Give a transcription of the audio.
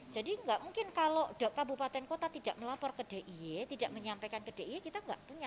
jadi nggak mungkin kalau kabupaten kota tidak melapor ke d i y tidak menyampaikan ke d i y kita nggak punya